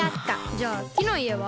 じゃあ木の家は？